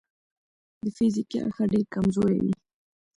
د فزیکي اړخه ډېر کمزوري وي.